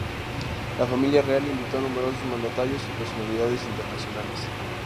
La familia real invitó a numerosos mandatarios y personalidades internacionales.